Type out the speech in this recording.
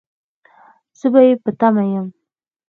زه به يې په تمه يم